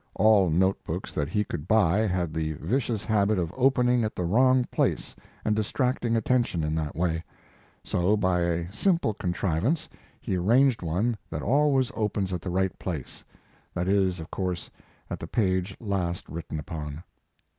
All note books that he could buy had the vicious habit of opening at the wrong place and distracting attention in that way. So, by a simple contrivance, he arranged one that always opens at the right place; that is, of course, at the page last written up on.